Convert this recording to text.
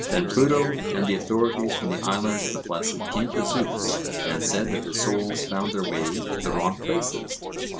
Then Pluto and the authorities from the Islands of the Blessed came to Zeus, and said that the souls found their way to the wrong places.